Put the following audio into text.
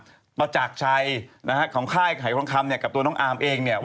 ระหว่างประจักรชัยนะฮะของค่าไขข่ายชุมฆ่ามเนี่ยกับตัวน้องอาร์มเองเนี่ยว่า